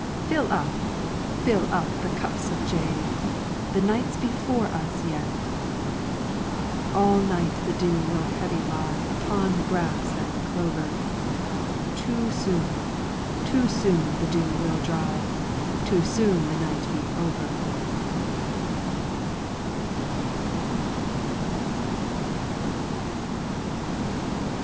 Fill up, fill up the cups of jade, The night 's before us yet ! All night the dew will heavy lie Upon the grass and clover. Too soon, too soon, the dew will dry, Too soon the night be over